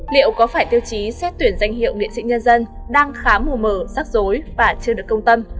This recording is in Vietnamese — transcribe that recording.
liệu có phải tiêu chí xét tuyển danh hiệu nghệ sĩ nhân dân đang khá mù mở sắc dối và chưa được công tâm